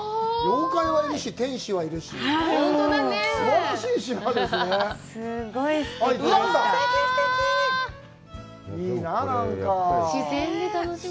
妖怪はいるし、天使はいるし。